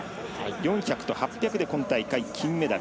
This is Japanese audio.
４００と８００で今大会金メダル。